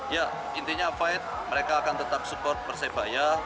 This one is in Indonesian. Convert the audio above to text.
ya intinya fight mereka akan tetap support persebaya